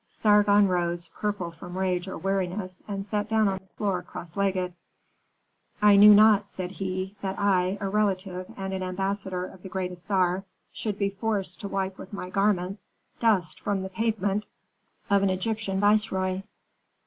Sargon rose, purple from rage or weariness, and sat down on the floor cross legged. "I knew not," said he, "that I, a relative and an ambassador of the great Assar, should be forced to wipe with my garments dust from the pavement of an Egyptian viceroy."